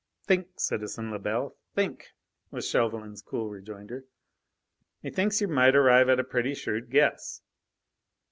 "Think, citizen Lebel! Think!" was Chauvelin's cool rejoinder. "Methinks you might arrive at a pretty shrewd guess."